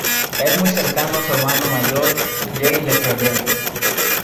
Es muy cercano a su hermano mayor, Jay Lefebvre.